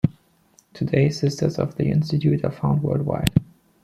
Today, Sisters of the institute are found worldwide.